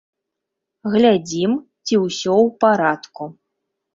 Глядзім, ці ўсё ў парадку.